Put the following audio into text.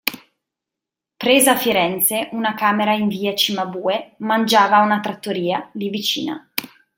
Presa a Firenze una camera in Via Cimabue, mangiava a una trattoria, lì vicina.